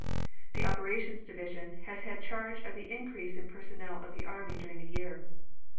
The Operations Division has had charge of the increase in the personnel of the army during the year.